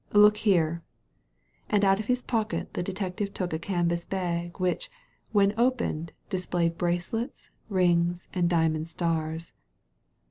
Look here," and out of his pocket the detective took a canvas bag, which, when opened, displayed bracelets rings, and diamond stars.